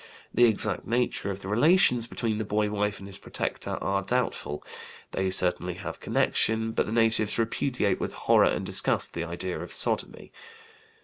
The exact nature of the relations between the boy wife and his protector are doubtful; they certainly have connection, but the natives repudiate with horror and disgust the idea of sodomy.